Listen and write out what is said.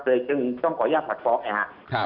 โดยก็ต้องคอย่าผลักฟ้อง